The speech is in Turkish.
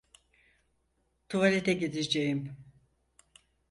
Tuvalete gideceğim.